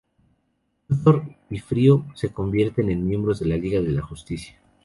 Luthor y Frío se convierten en miembros de la Liga de la Justicia.